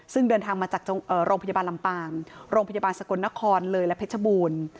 ซึ่งเดินทางมาจากโรงพยาบาลลำปางโรงพยาบาลสกลนครเลยและเพชรบูรณ์